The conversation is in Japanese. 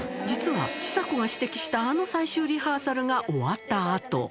実はちさ子が指摘したあの最終リハーサルが終わったあと。